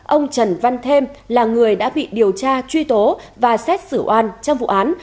ông trần văn thêm là người đã bị điều tra truy tố và xét xử oan trong vụ án